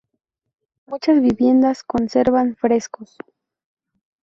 Muchas viviendas conservan frescos.